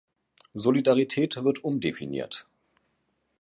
Solidarität wird umdefiniert.